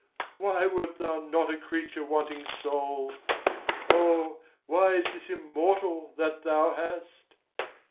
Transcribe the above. Why wert thou not a creature wanting soul? Or why is this immortal that thou hast?